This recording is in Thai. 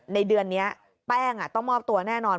เดือนนี้แป้งต้องมอบตัวแน่นอน